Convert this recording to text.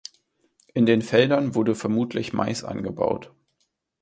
In den Feldern wurde vermutlich Mais angebaut.